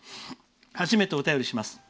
初めてお便りします。